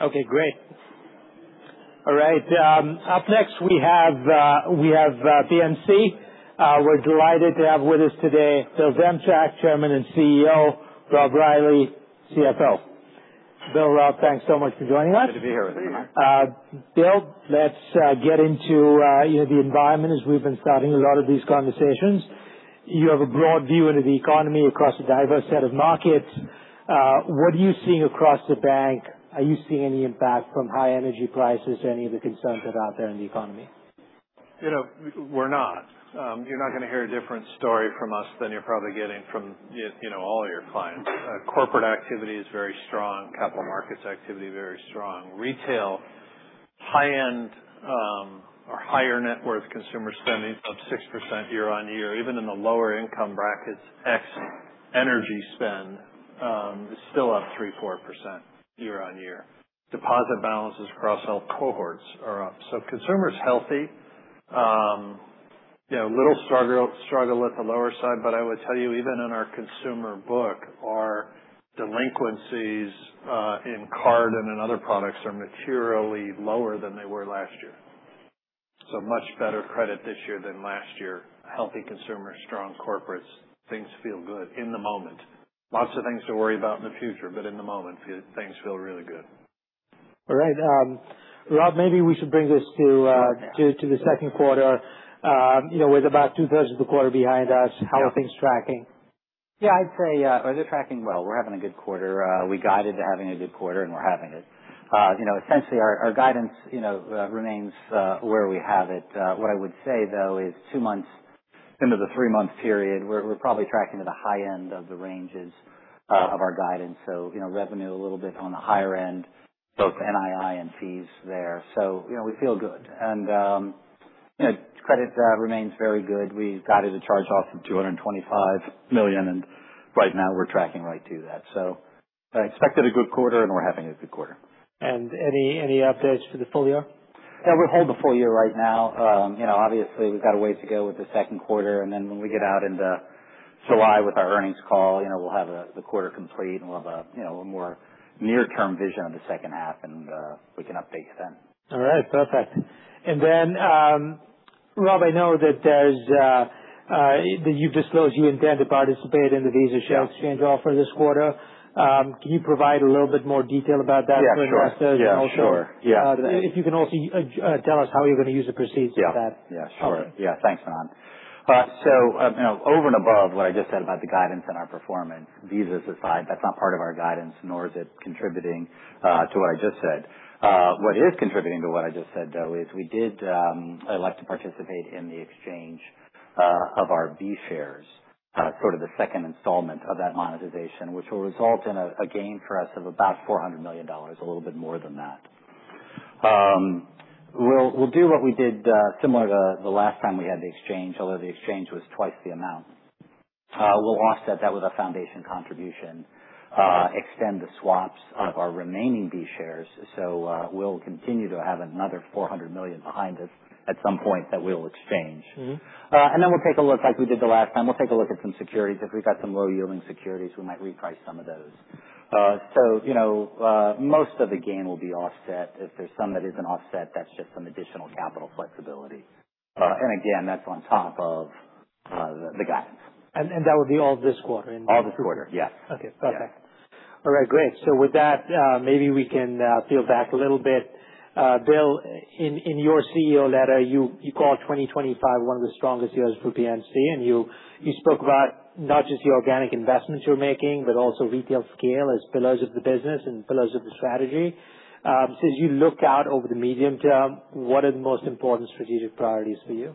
Okay, great. All right. Up next we have PNC. We are delighted to have with us today Bill Demchak, Chairman and CEO, Rob Reilly, CFO. Bill, Rob, thanks so much for joining us. Good to be here. Thank you, Manan. Bill, let's get into the environment as we've been starting a lot of these conversations. You have a broad view into the economy across a diverse set of markets. What are you seeing across the bank? Are you seeing any impact from high energy prices or any of the concerns that are out there in the economy? We're not. You're not going to hear a different story from us than you're probably getting from all your clients. Corporate activity is very strong. Capital markets activity, very strong. Retail, high-end or higher net worth consumer spending is up 6% year-on-year. Even in the lower income brackets, ex-energy spend is still up 3%-4% year-on-year. Deposit balances across all cohorts are up. Consumer is healthy. A little struggle at the lower side, but I would tell you even in our consumer book, our delinquencies in card and in other products are materially lower than they were last year. Much better credit this year than last year. Healthy consumer, strong corporates. Things feel good in the moment. Lots of things to worry about in the future, but in the moment, things feel really good. All right. Rob, maybe we should bring this to the second quarter. With about two-thirds of the quarter behind us, how are things tracking? Yeah, I'd say they're tracking well. We're having a good quarter. We guided to having a good quarter, and we're having it. Essentially our guidance remains where we have it. What I would say, though, is two months into the three-month period, we're probably tracking to the high end of the ranges of our guidance. Revenue a little bit on the higher end, both NII and fees there. We feel good. Credit remains very good. We've guided a charge-off of $225 million, and right now we're tracking right to that. I expected a good quarter, and we're having a good quarter. Any updates for the full year? Yeah, we'll hold the full year right now. Obviously, we've got a ways to go with the second quarter, and then when we get out into July with our earnings call, we'll have the quarter complete, and we'll have a little more near-term vision of the second half, and we can update you then. All right. Perfect. Then, Rob, I know that you've disclosed you intend to participate in the Visa share exchange offer this quarter. Can you provide a little bit more detail about that for investors? Yeah, sure. If you can also tell us how you're going to use the proceeds for that. Yeah, sure. Thanks, Manan. Over and above what I just said about the guidance and our performance, Visa aside, that's not part of our guidance, nor is it contributing to what I just said. What is contributing to what I just said, though, is we did elect to participate in the exchange of our B shares, sort of the second installment of that monetization, which will result in a gain for us of about $400 million, a little bit more than that. We'll do what we did similar to the last time we had the exchange, although the exchange was twice the amount. We'll offset that with a foundation contribution, extend the swaps of our remaining B shares. We'll continue to have another $400 million behind us at some point that we'll exchange. Then we'll take a look like we did the last time. We'll take a look at some securities. If we've got some low-yielding securities, we might reprice some of those. Most of the gain will be offset. If there's some that isn't offset, that's just some additional capital flexibility. Again, that's on top of the guidance. That would be all this quarter? All this quarter, yes. Okay. Perfect. Yeah. All right. Great. With that, maybe we can peel back a little bit. Bill, in your CEO letter, you call 2025 one of the strongest years for PNC, and you spoke about not just the organic investments you're making, but also retail scale as pillars of the business and pillars of the strategy. Since you look out over the medium term, what are the most important strategic priorities for you?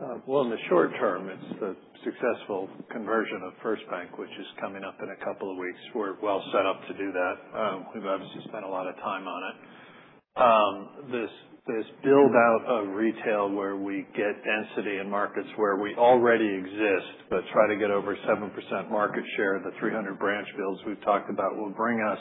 In the short term, it's the successful conversion of FirstBank, which is coming up in a couple of weeks. We're well set up to do that. We've obviously spent a lot of time on it. This build-out of retail where we get density in markets where we already exist, but try to get over 7% market share. The 300 branch builds we've talked about will bring us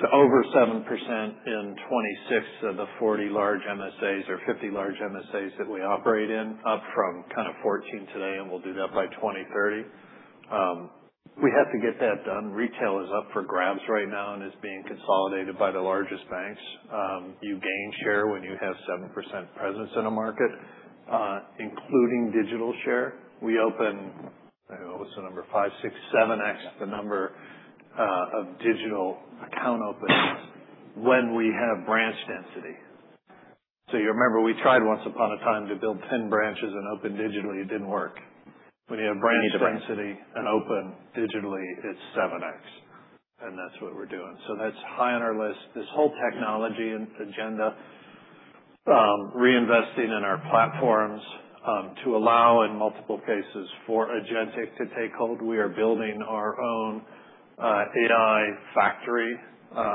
to over 7% in 2026 of the 40 large MSAs or 50 large MSAs that we operate in, up from kind of 14 today, and we'll do that by 2030. We have to get that done. Retail is up for grabs right now and is being consolidated by the largest banks. You gain share when you have 7% presence in a market, including digital share. We open, what's the number? 5x, 6x, 7x the number of digital account openings when we have branch density. You remember we tried once upon a time to build 10 branches and open digitally. It didn't work. When you have branch density and open digitally, it's 7x, and that's what we're doing. That's high on our list. This whole technology agenda, reinvesting in our platforms to allow, in multiple cases, for agentic to take hold. We are building our own AI factory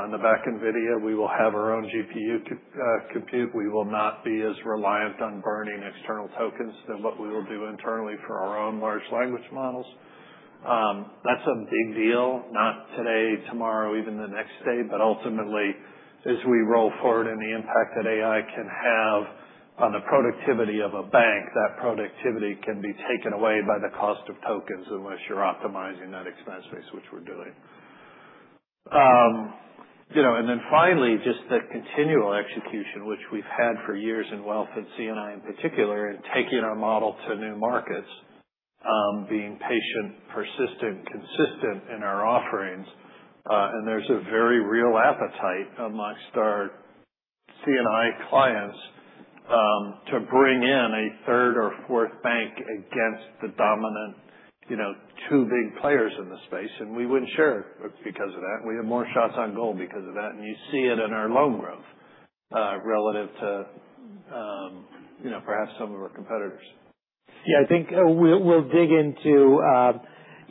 in the back NVIDIA. We will have our own GPU compute. We will not be as reliant on burning external tokens than what we will do internally for our own large language models. That's a big deal. Not today, tomorrow, even the next day. Ultimately, as we roll forward and the impact that AI can have on the productivity of a bank, that productivity can be taken away by the cost of tokens unless you're optimizing that expense base, which we're doing. Finally, just the continual execution, which we've had for years in wealth at C&I in particular, in taking our model to new markets. Being patient, persistent, consistent in our offerings. There's a very real appetite amongst our C&I clients to bring in a third or fourth bank against the dominant two big players in the space. We win share because of that. We have more shots on goal because of that. You see it in our loan growth relative to perhaps some of our competitors. Yeah, I think we'll dig into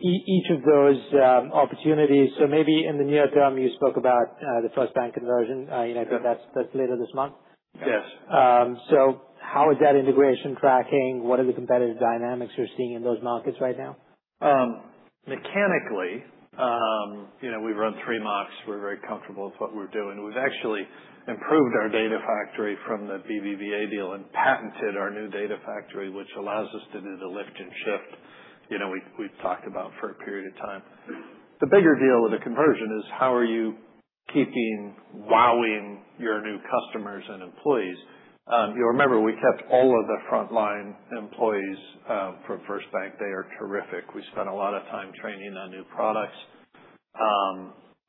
each of those opportunities. Maybe in the near term, you spoke about the FirstBank conversion. I think that's later this month. Yes. How is that integration tracking? What are the competitive dynamics you're seeing in those markets right now? Mechanically, we've run three mocks. We're very comfortable with what we're doing. We've actually improved our data factory from the BBVA deal and patented our new data factory, which allows us to do the lift and shift we've talked about for a period of time. The bigger deal with a conversion is how are you keeping wowing your new customers and employees. You'll remember we kept all of the frontline employees from FirstBank. They are terrific. We spent a lot of time training on new products.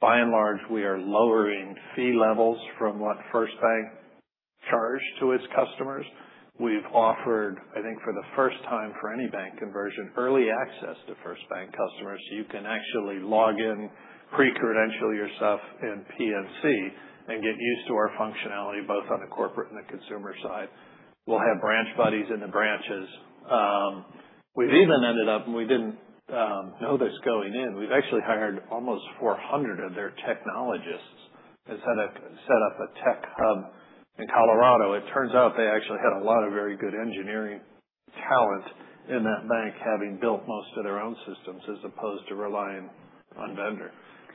By and large, we are lowering fee levels from what FirstBank charged to its customers. We've offered, I think for the first time for any bank conversion, early access to FirstBank customers so you can actually log in, pre-credential yourself in PNC, and get used to our functionality, both on the corporate and the consumer side. We'll have branch buddies in the branches. We've even ended up, and we didn't know this going in. We've actually hired almost 400 of their technologists and set up a tech hub in Colorado. It turns out they actually had a lot of very good engineering talent in that bank, having built most of their own systems as opposed to relying on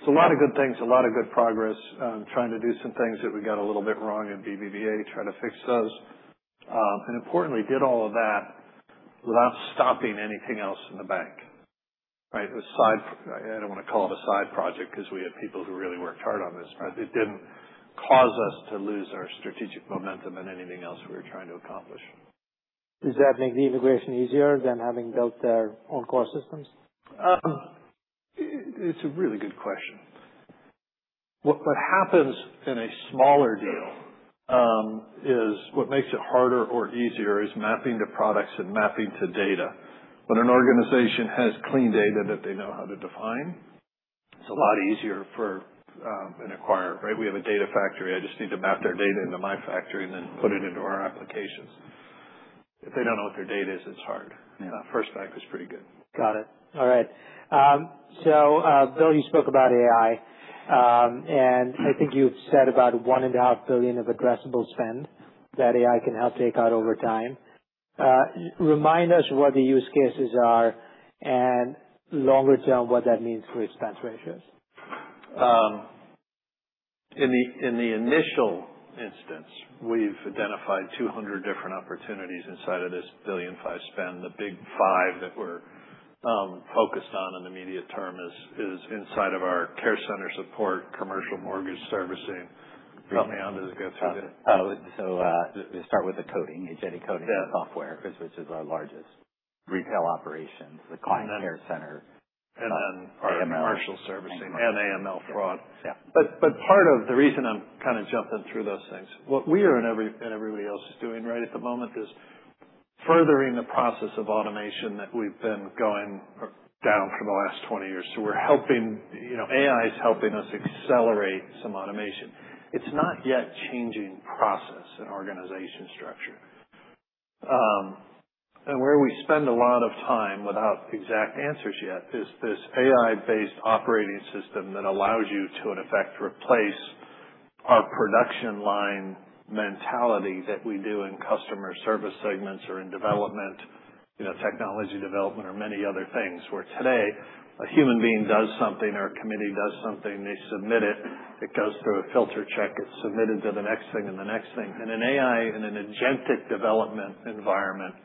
vendor. A lot of good things, a lot of good progress. Trying to do some things that we got a little bit wrong in BBVA, trying to fix those. Importantly, did all of that without stopping anything else in the bank. Right? I don't want to call it a side project because we had people who really worked hard on this. It didn't cause us to lose our strategic momentum in anything else we were trying to accomplish. Does that make the integration easier than having built their own core systems? It's a really good question. What happens in a smaller deal is what makes it harder or easier is mapping to products and mapping to data. When an organization has clean data that they know how to define, it's a lot easier for an acquirer, right? We have a data factory. I just need to map their data into my factory and then put it into our applications. If they don't know what their data is, it's hard. Yeah. FirstBank was pretty good. Got it. All right. Bill, you spoke about AI. I think you had said about $1.5 billion of addressable spend that AI can help take out over time. Remind us what the use cases are and longer term, what that means for expense ratios. In the initial instance, we've identified 200 different opportunities inside of this billion-five spend. The big five that we're focused on in the immediate term is inside of our care center support commercial mortgage servicing. Help me out as I go through that. Let's start with the coding, the agentic coding software. Yeah. Our largest retail operations, the client care center. Our commercial servicing and AML fraud. Yeah. Part of the reason I'm kind of jumping through those things, what we are and everybody else is doing right at the moment is furthering the process of automation that we've been going down for the last 20 years. AI is helping us accelerate some automation. It's not yet changing process and organization structure. Where we spend a lot of time without exact answers yet is this AI-based operating system that allows you to, in effect, replace our production line mentality that we do in customer service segments or in technology development or many other things. Where today a human being does something or a committee does something, they submit it goes through a filter check, it's submitted to the next thing and the next thing. In an AI, in an agentic development environment,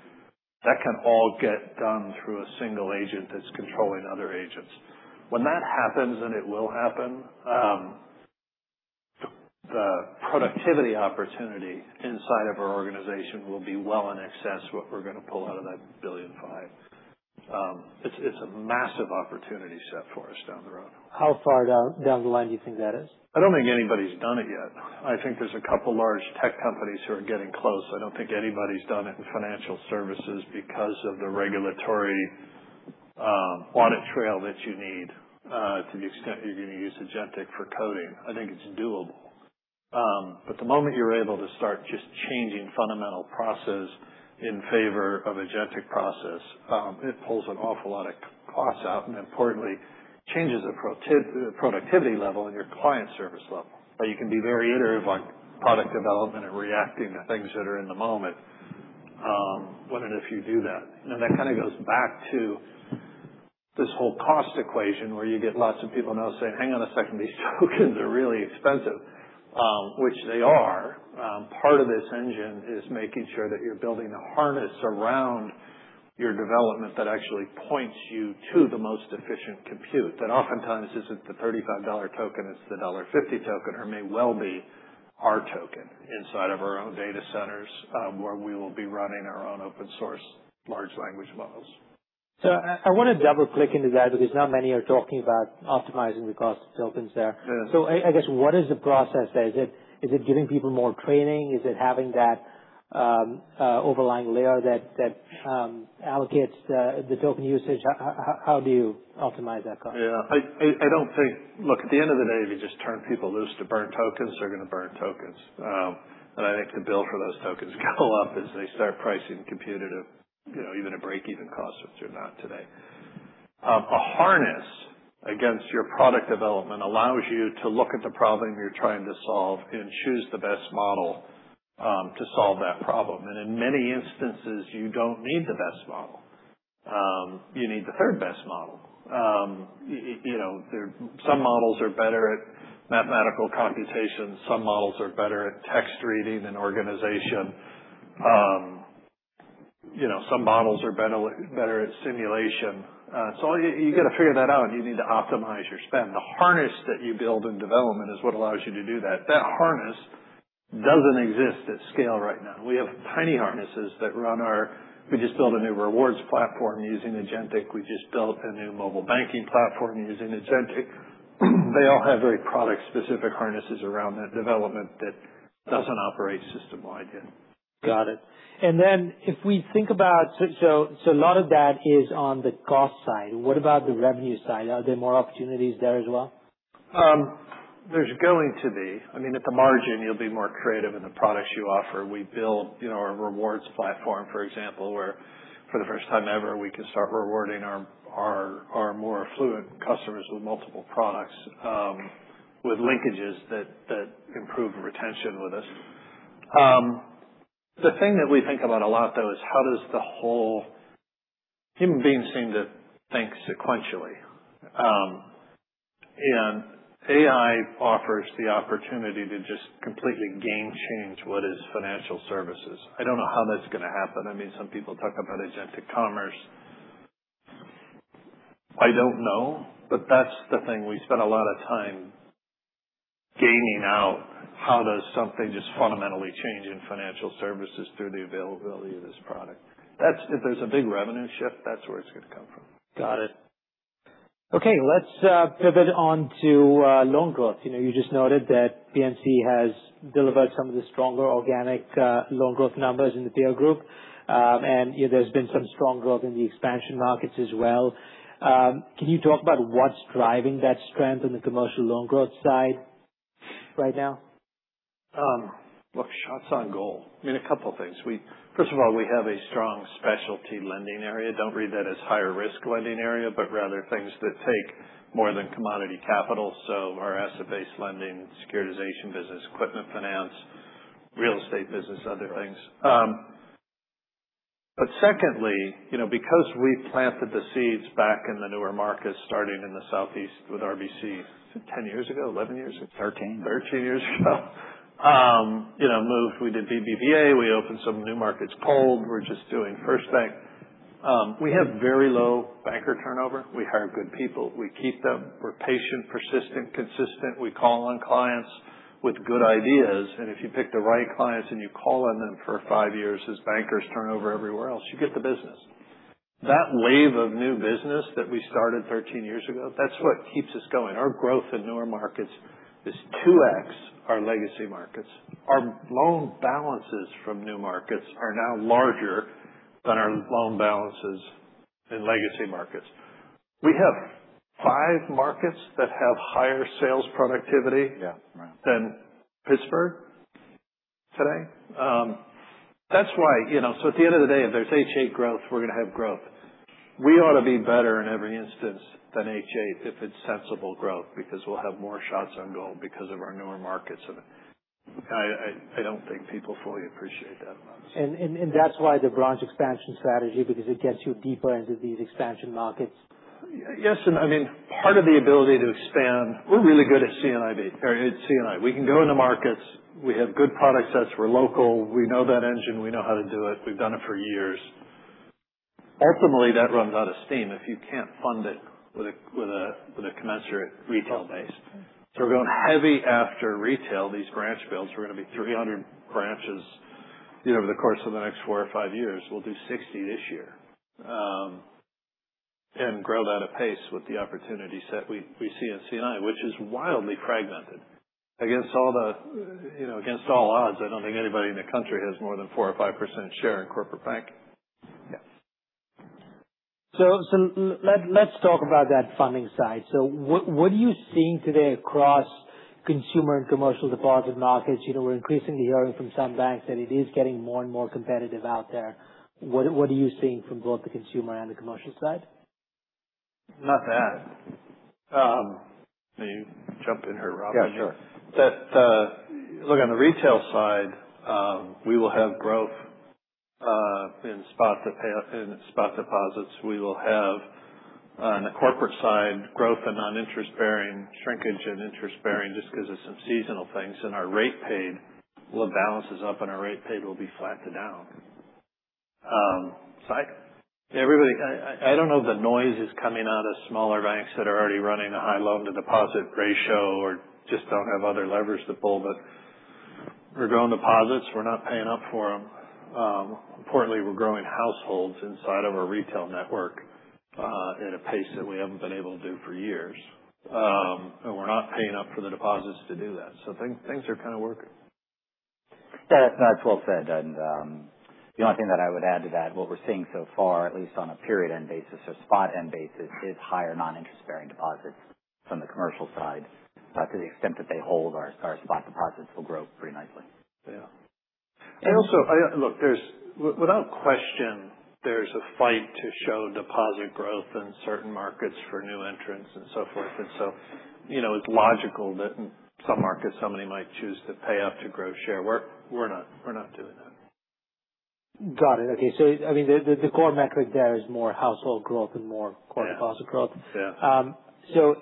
that can all get done through a single agent that's controlling other agents. When that happens, and it will happen, the productivity opportunity inside of our organization will be well in excess what we're going to pull out of that $1.5 billion. It's a massive opportunity set for us down the road. How far down the line do you think that is? I don't think anybody's done it yet. I think there's a couple large tech companies who are getting close. I don't think anybody's done it in financial services because of the regulatory audit trail that you need to the extent you're going to use agentic for coding. I think it's doable. The moment you're able to start just changing fundamental process in favor of agentic process, it pulls an awful lot of costs out and importantly, changes the productivity level and your client service level. You can be very iterative on product development and reacting to things that are in the moment when and if you do that. That kind of goes back to this whole cost equation where you get lots of people now saying, "Hang on a second, these tokens are really expensive." which they are. Part of this engine is making sure that you're building a harness around your development that actually points you to the most efficient compute. Oftentimes isn't the $35 token, it's the $1.50 token, or may well be our token inside of our own data centers where we will be running our own open source large language models. I want to double-click into that because not many are talking about optimizing the cost of tokens there. Yeah. I guess, what is the process there? Is it giving people more training? Is it having that overlying layer that allocates the token usage? How do you optimize that cost? Yeah. Look, at the end of the day, if you just turn people loose to burn tokens, they're going to burn tokens. I think the bill for those tokens go up as they start pricing compute at even a break-even cost, which they're not today. A harness against your product development allows you to look at the problem you're trying to solve and choose the best model to solve that problem. In many instances, you don't need the best model. You need the third-best model. Some models are better at mathematical computations. Some models are better at text reading and organization. Some models are better at simulation. You got to figure that out. You need to optimize your spend. The harness that you build in development is what allows you to do that. That harness doesn't exist at scale right now. We just built a new rewards platform using agentic. We just built a new mobile banking platform using agentic. They all have very product-specific harnesses around that development that doesn't operate system-wide yet. Got it. A lot of that is on the cost side. What about the revenue side? Are there more opportunities there as well? There's going to be. At the margin, you'll be more creative in the products you offer. We built our rewards platform, for example, where for the first time ever, we could start rewarding our more affluent customers with multiple products with linkages that improve retention with us. The thing that we think about a lot, though, is how does the whole Human beings seem to think sequentially. AI offers the opportunity to just completely game change what is financial services. I don't know how that's going to happen. Some people talk about agentic commerce. I don't know, but that's the thing we spend a lot of time gaming out. How does something just fundamentally change in financial services through the availability of this product? If there's a big revenue shift, that's where it's going to come from. Got it. Okay. Let's pivot on to loan growth. You just noted that PNC has delivered some of the stronger organic loan growth numbers in the peer group. There's been some strong growth in the expansion markets as well. Can you talk about what's driving that strength on the commercial loan growth side right now? Look, shots on goal. A couple of things. First of all, we have a strong specialty lending area. Don't read that as higher risk lending area, but rather things that take more than commodity capital. Our asset-based lending, securitization business, equipment finance, real estate business, other things. Secondly, because we planted the seeds back in the newer markets starting in the Southeast with RBC 10 years ago, 11 years ago? 13. 13 years ago. We did BBVA. We opened some new markets cold. We're just doing first thing. We have very low banker turnover. We hire good people. We keep them. We're patient, persistent, consistent. We call on clients with good ideas. If you pick the right clients and you call on them for five years as bankers turn over everywhere else, you get the business. That wave of new business that we started 13 years ago, that's what keeps us going. Our growth in newer markets is 2x our legacy markets. Our loan balances from new markets are now larger than our loan balances in legacy markets. We have five markets that have higher sales productivity than Pittsburgh today. At the end of the day, if there's HA growth, we're going to have growth. We ought to be better in every instance than HA if it's sensible growth because we'll have more shots on goal because of our newer markets. I don't think people fully appreciate that much. That's why the branch expansion strategy because it gets you deeper into these expansion markets. Yes. Part of the ability to expand, we're really good at C&IB or at C&I. We can go into markets. We have good product sets. We're local. We know that engine. We know how to do it. We've done it for years. Ultimately, that runs out of steam if you can't fund it with a commensurate retail base. We're going heavy after retail. These branch builds, we're going to be 300 branches over the course of the next four or five years. We'll do 60 this year. Grow that at pace with the opportunity set we see in C&I, which is wildly fragmented. Against all odds, I don't think anybody in the country has more than 4% or 5% share in corporate banking. Yeah. Let's talk about that funding side. What are you seeing today across consumer and commercial deposit markets? We're increasingly hearing from some banks that it is getting more and more competitive out there. What are you seeing from both the consumer and the commercial side? Not bad. You jump in here, Rob. Yeah, sure. On the retail side we will have growth in spot deposits, we will have, on the corporate side, growth in non-interest bearing, shrinkage in interest bearing, just because of some seasonal things. Our rate paid will have balances up, and our rate paid will be flat to down. I don't know if the noise is coming out of smaller banks that are already running a high loan-to-deposit ratio or just don't have other levers to pull, but we're growing deposits. We're not paying up for them. Importantly, we're growing households inside of our retail network at a pace that we haven't been able to do for years. We're not paying up for the deposits to do that. Things are kind of working. Yeah. That's well said. The only thing that I would add to that, what we're seeing so far, at least on a period-end basis or spot-end basis, is higher non-interest bearing deposits from the commercial side. To the extent that they hold our spot deposits will grow pretty nicely. Yeah. Also, look, without question, there's a fight to show deposit growth in certain markets for new entrants and so forth, and so it's logical that in some markets, somebody might choose to pay up to grow share. We're not doing that. Got it. Okay. The core metric there is more household growth and more core deposit growth. Yeah.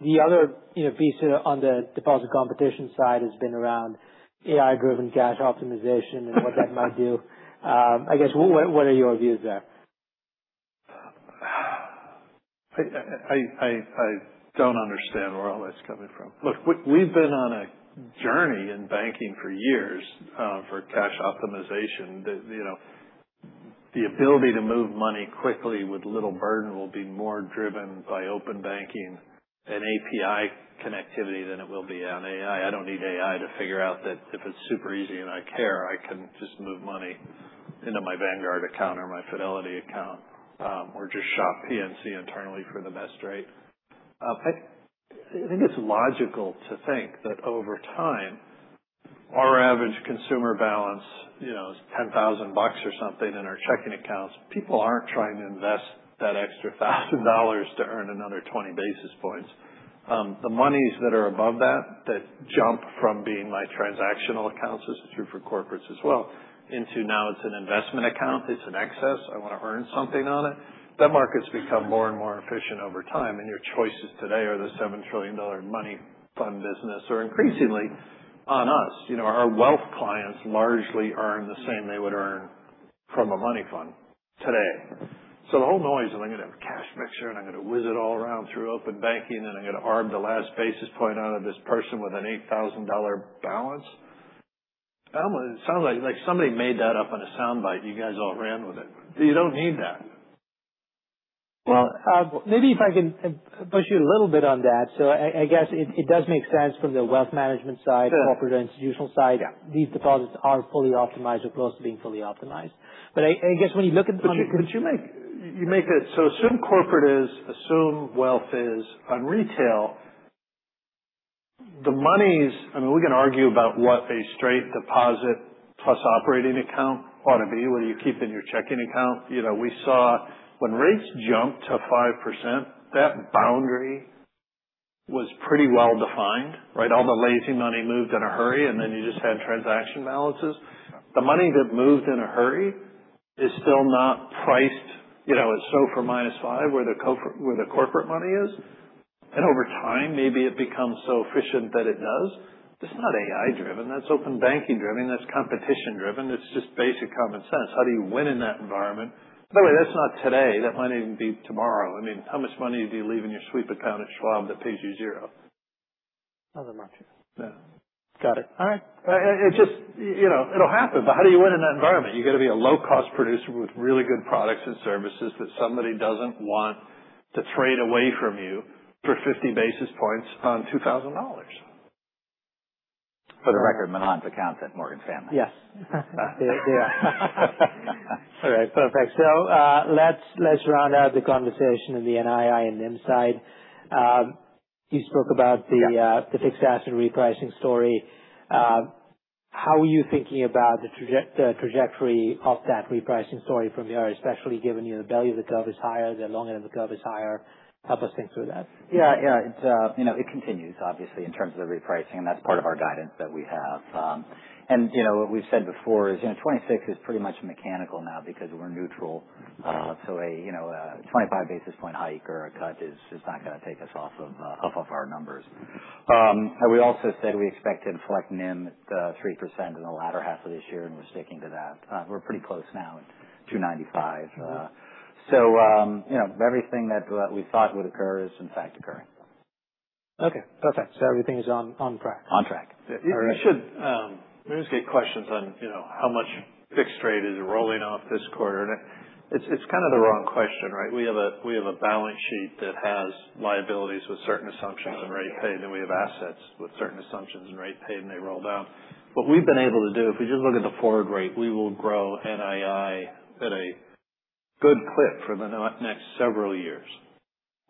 The other piece on the deposit competition side has been around AI-driven cash optimization and what that might do. I guess, what are your views there? I don't understand where all that's coming from. Look, we've been on a journey in banking for years for cash optimization. The ability to move money quickly with little burden will be more driven by open banking and API connectivity than it will be on AI. I don't need AI to figure out that if it's super easy and I care, I can just move money into my Vanguard account or my Fidelity account. Or just shop PNC internally for the best rate. I think it's logical to think that over time, our average consumer balance is $10,000 or something in our checking accounts. People aren't trying to invest that extra $1,000 to earn another 20 basis points. The monies that are above that jump from being my transactional accounts, this is true for corporates as well, into now it's an investment account, it's an excess, I want to earn something on it. That market's become more and more efficient over time, and your choices today are the $7 trillion money fund business are increasingly on us. Our wealth clients largely earn the same they would earn from a money fund today. The whole noise of I'm going to have a cash mixture, and I'm going to whizz it all around through open banking, and I'm going to arm the last basis point out of this person with an $8,000 balance. It sounds like somebody made that up on a soundbite, and you guys all ran with it. You don't need that. Well, maybe if I can push you a little bit on that. I guess it does make sense from the wealth management side. Yeah Corporate or institutional side. Yeah. These deposits are fully optimized or close to being fully optimized. I guess when you look at the. Assume corporate is, assume wealth is. On retail, the monies, we can argue about what a straight deposit plus operating account ought to be, what do you keep in your checking account? We saw when rates jumped to 5%, that boundary was pretty well defined, right? All the lazy money moved in a hurry, and then you just had transaction balances. The money that moved in a hurry is still not priced at SOFR minus five where the corporate money is. Over time, maybe it becomes so efficient that it does. It's not AI driven. That's open banking driven. That's competition driven. It's just basic common sense. How do you win in that environment? By the way, that's not today. That might even be tomorrow. How much money do you leave in your sweep account at Schwab that pays you zero? Other markets. Yeah. Got it. All right. It'll happen. How do you win in that environment? You got to be a low-cost producer with really good products and services that somebody doesn't want to trade away from you for 50 basis points on $2,000. For the record, Manan's accounts at Morgan Stanley. Yes. All right. Perfect. Let's round out the conversation in the NII and NIM side. You spoke about the fixed asset repricing story. How are you thinking about the trajectory of that repricing story from here, especially given the value of the curve is higher, the long end of the curve is higher? Help us think through that. Yeah. It continues, obviously, in terms of the repricing, that's part of our guidance that we have. What we've said before is 26 is pretty much mechanical now because we're neutral. A 25 basis point hike or a cut is not going to take us off of our numbers. We also said we expected flat NIM at 3% in the latter half of this year, and we're sticking to that. We're pretty close now at 295. Everything that we thought would occur is in fact occurring. Okay. Perfect. Everything is on track. On track. We always get questions on how much fixed rate is rolling off this quarter. It's kind of the wrong question, right? We have a balance sheet that has liabilities with certain assumptions and rate paid. We have assets with certain assumptions and rate paid, and they roll down. What we've been able to do, if we just look at the forward rate, we will grow NII at a good clip for the next several years.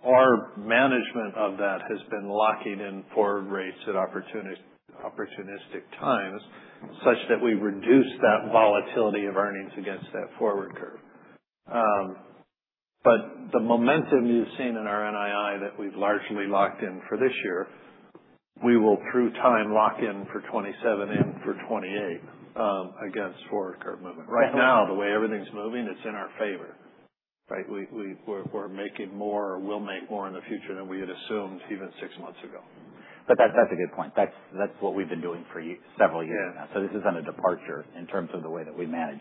Our management of that has been locking in forward rates at opportunistic times such that we reduce that volatility of earnings against that forward curve. The momentum you've seen in our NII that we've largely locked in for this year, we will, through time, lock in for 2027 and for 2028 against forward curve movement. Right now, the way everything's moving, it's in our favor. We're making more or will make more in the future than we had assumed even six months ago. That's a good point. That's what we've been doing for several years now. Yeah. This isn't a departure in terms of the way that we manage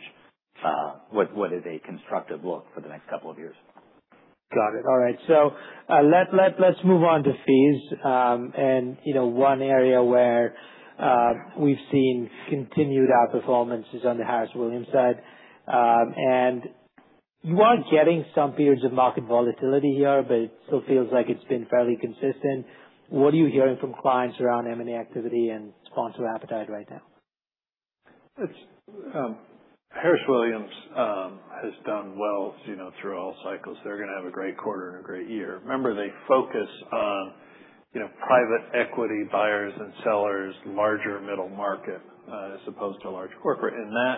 what is a constructive look for the next couple of years. Got it. All right. Let's move on to fees. One area where we've seen continued outperformance is on the Harris Williams side. You are getting some periods of market volatility here, but it still feels like it's been fairly consistent. What are you hearing from clients around M&A activity and sponsor appetite right now? Harris Williams has done well through all cycles. They're going to have a great quarter and a great year. Remember, they focus on private equity buyers and sellers, larger middle market as opposed to large corporate. That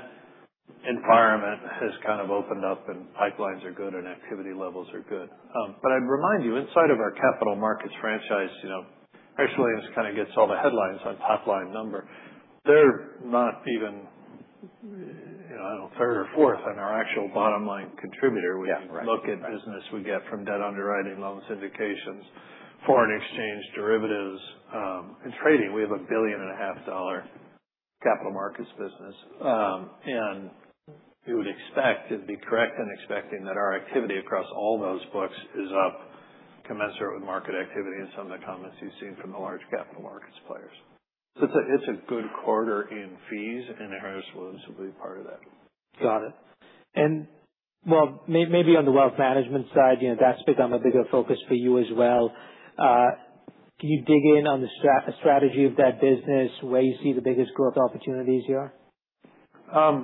environment has kind of opened up, and pipelines are good and activity levels are good. I'd remind you, inside of our capital markets franchise, Harris Williams kind of gets all the headlines on top-line number. They're not even third or fourth on our actual bottom-line. Yeah. Right When you look at business we get from debt underwriting, loan syndications, foreign exchange derivatives, and trading. We have a billion-and-a-half dollar capital markets business. You would expect, it'd be correct in expecting that our activity across all those books is up commensurate with market activity and some of the comments you've seen from the large capital markets players. It's a good quarter in fees, and Harris Williams will be part of that. Got it. Maybe on the wealth management side, that's become a bigger focus for you as well. Can you dig in on the strategy of that business? Where you see the biggest growth opportunities here? Our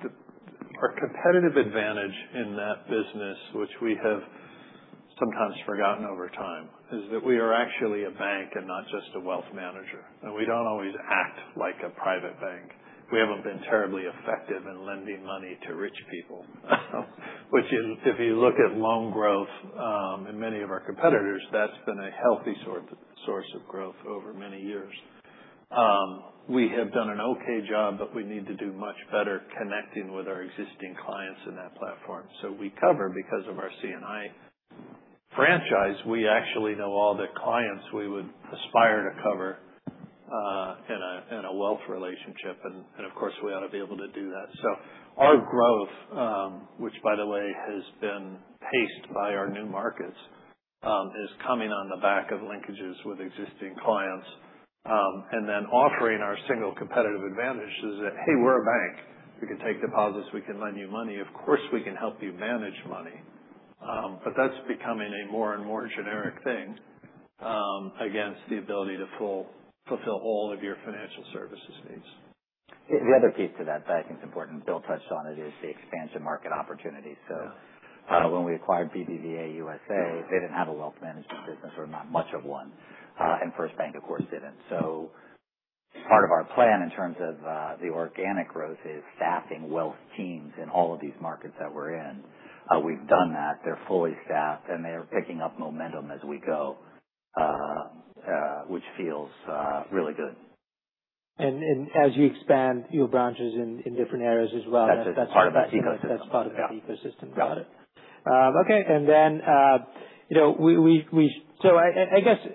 competitive advantage in that business, which we have sometimes forgotten over time, is that we are actually a bank and not just a wealth manager. We don't always act like a private bank. We haven't been terribly effective in lending money to rich people. Which if you look at loan growth in many of our competitors, that's been a healthy source of growth over many years. We have done an okay job, but we need to do much better connecting with our existing clients in that platform. We cover because of our C&I franchise. We actually know all the clients we would aspire to cover in a wealth relationship. Of course, we ought to be able to do that. Our growth, which by the way has been paced by our new markets, is coming on the back of linkages with existing clients. Offering our single competitive advantage is that, hey, we're a bank. We can take deposits. We can lend you money. Of course, we can help you manage money. That's becoming a more and more generic thing against the ability to fulfill all of your financial services needs. The other piece to that that I think is important, Bill touched on it, is the expansion market opportunities. When we acquired BBVA USA, they didn't have a wealth management business or not much of one. FirstBank, of course, didn't. Part of our plan in terms of the organic growth is staffing wealth teams in all of these markets that we're in. We've done that. They're fully staffed, and they're picking up momentum as we go, which feels really good. As you expand your branches in different areas as well. That's a part of that ecosystem. that's part of the ecosystem. Got it. Okay. I guess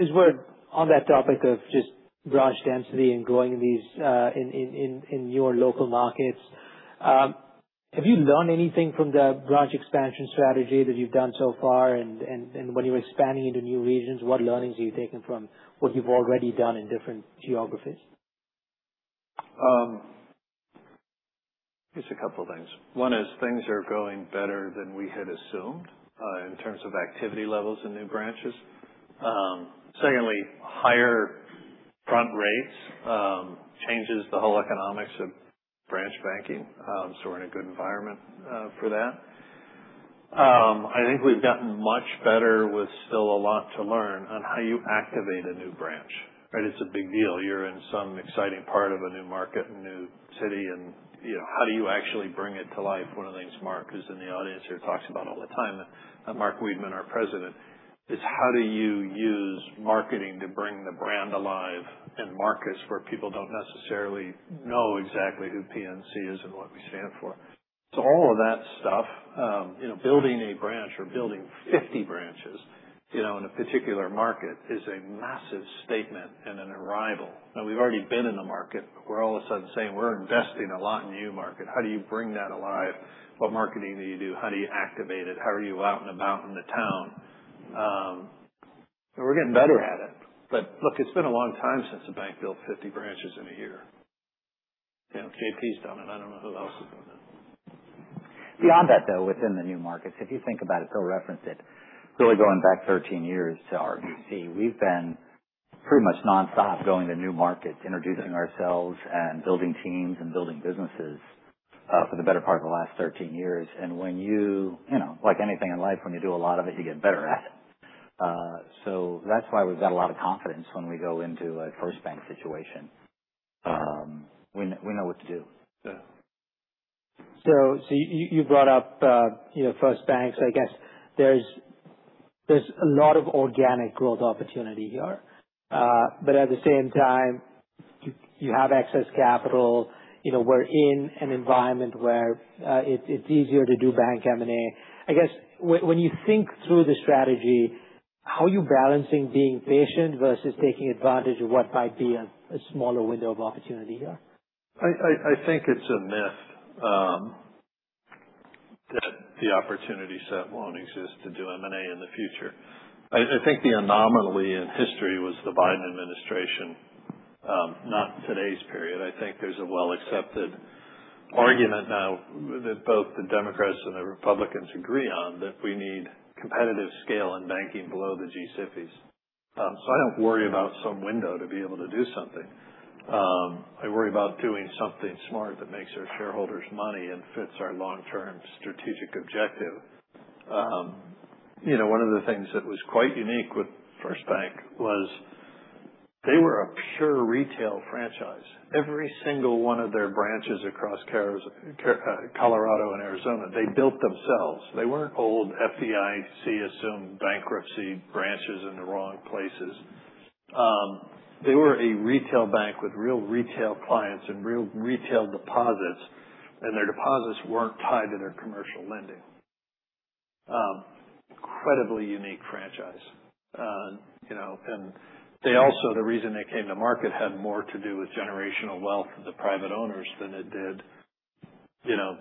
as we're on that topic of just branch density and growing these in your local markets, have you learned anything from the branch expansion strategy that you've done so far? When you're expanding into new regions, what learnings are you taking from what you've already done in different geographies? Just a couple of things. One is things are going better than we had assumed in terms of activity levels in new branches. Secondly, higher front rates changes the whole economics of branch banking. We're in a good environment for that. I think we've gotten much better with still a lot to learn on how you activate a new branch. It's a big deal. You're in some exciting part of a new market, a new city, and how do you actually bring it to life? One of the things Mark, who's in the audience here, talks about all the time, Mark Wiedman, our President, is how do you use marketing to bring the brand alive in markets where people don't necessarily know exactly who PNC is and what we stand for. All of that stuff. Building a branch or building 50 branches in a particular market is a massive statement and an arrival. We've already been in the market. We're all of a sudden saying we're investing a lot in a new market. How do you bring that alive? What marketing do you do? How do you activate it? How are you out and about in the town? We're getting better at it. Look, it's been a long time since the bank built 50 branches in a year. JPMorgan's done it. I don't know who else has done that. Beyond that, though, within the new markets, if you think about it, Bill referenced it, really going back 13 years to RBC, we've been pretty much nonstop going to new markets, introducing ourselves, and building teams and building businesses for the better part of the last 13 years. Like anything in life, when you do a lot of it, you get better at it. That's why we've got a lot of confidence when we go into a FirstBank situation. We know what to do. Yeah. You brought up FirstBank. I guess there's a lot of organic growth opportunity here. At the same time, you have excess capital. We're in an environment where it's easier to do bank M&A. I guess when you think through the strategy, how are you balancing being patient versus taking advantage of what might be a smaller window of opportunity here? I think it's a myth that the opportunity set won't exist to do M&A in the future. I think the anomaly in history was the Biden administration, not today's period. I think there's a well-accepted argument now that both the Democrats and the Republicans agree on that we need competitive scale in banking below the G-SIFIs. I don't worry about some window to be able to do something. I worry about doing something smart that makes our shareholders money and fits our long-term strategic objective. One of the things that was quite unique with FirstBank was they were a pure retail franchise. Every single one of their branches across Colorado and Arizona, they built themselves. They weren't old FDIC-assumed bankruptcy branches in the wrong places. They were a retail bank with real retail clients and real retail deposits, and their deposits weren't tied to their commercial lending. Incredibly unique franchise. Also the reason they came to market had more to do with generational wealth of the private owners than it did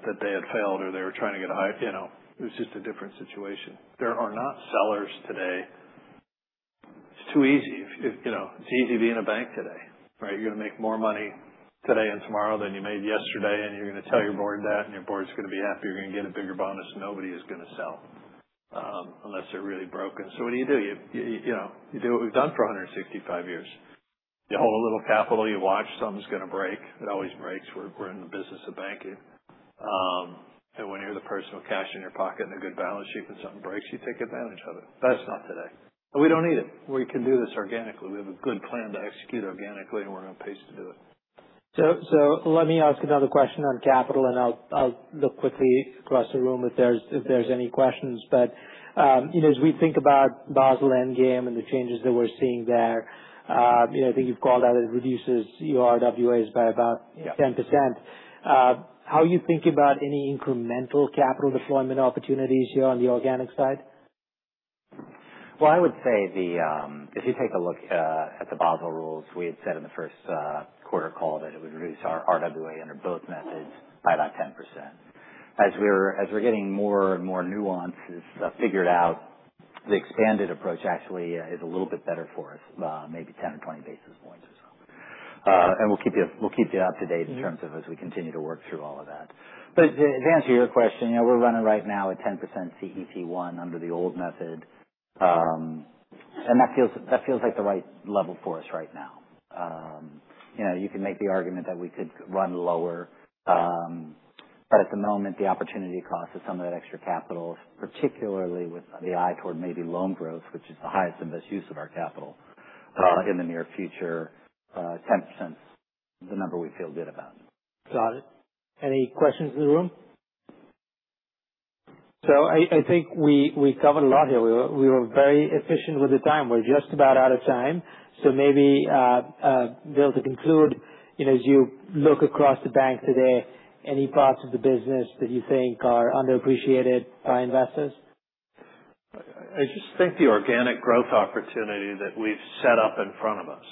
that they had failed or they were trying to get a high It was just a different situation. There are not sellers today. It's too easy. It's easy being a bank today, right? You're going to make more money today and tomorrow than you made yesterday, and you're going to tell your board that, and your board's going to be happy. You're going to get a bigger bonus, and nobody is going to sell unless they're really broken. What do you do? You do what we've done for 165 years. You hold a little capital. You watch. Something's going to break. It always breaks. We're in the business of banking. When you're the person with cash in your pocket and a good balance sheet, when something breaks, you take advantage of it. It's not today. We don't need it. We can do this organically. We have a good plan to execute organically, and we're on pace to do it. Let me ask another question on capital, and I'll look quickly across the room if there's any questions. As we think about Basel endgame and the changes that we're seeing there, I think you've called out it reduces your RWAs by about- Yeah 10%. How are you thinking about any incremental capital deployment opportunities here on the organic side? Well, I would say if you take a look at the Basel rules, we had said in the first quarter call that it would reduce our RWA under both methods by about 10%. As we're getting more and more nuances figured out, the expanded approach actually is a little bit better for us, maybe 10 or 20 basis points or so. We'll keep you up to date in terms of as we continue to work through all of that. To answer your question, we're running right now at 10% CET1 under the old method. That feels like the right level for us right now. You can make the argument that we could run lower. At the moment, the opportunity cost of some of that extra capital, particularly with the eye toward maybe loan growth, which is the highest and best use of our capital in the near future, 10% is the number we feel good about. Got it. Any questions in the room? I think we covered a lot here. We were very efficient with the time. We're just about out of time. Maybe, Bill, to conclude, as you look across the bank today, any parts of the business that you think are underappreciated by investors? I just think the organic growth opportunity that we've set up in front of us.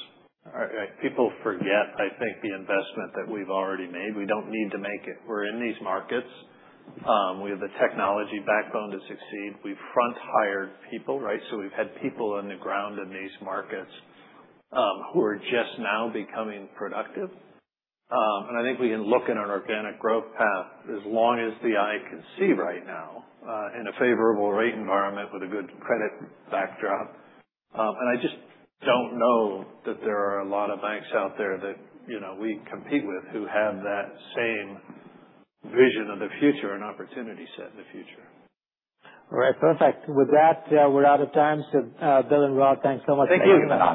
People forget, I think, the investment that we've already made. We don't need to make it. We're in these markets. We have the technology backbone to succeed. We front-hired people, right? We've had people on the ground in these markets who are just now becoming productive. I think we can look at an organic growth path as long as the eye can see right now in a favorable rate environment with a good credit backdrop. I just don't know that there are a lot of banks out there that we compete with who have that same vision of the future and opportunity set in the future. Right. Perfect. With that, we're out of time. Bill and Rob, thanks so much for your time.